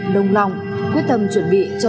đông lòng quyết tâm chuẩn bị cho